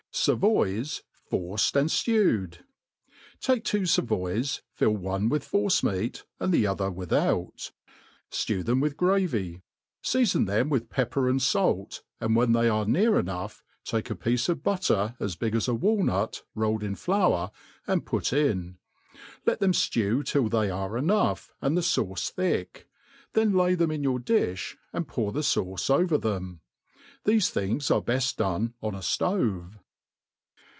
Savoys forced and JleODtd. TAKE two favoys, fill one with force meat, aqd tl^c other without. Stew them with gravy; feafon them with pepper and fait, and when they are near enough, take a piece of but«> ter, as big as a large walnut, rolled in flour, and put in. Let them ftew till they are enough, and the fauce thick ; then lay them in your difh, and pour the fauce ovef them. Thefe things are beft done on a ftove.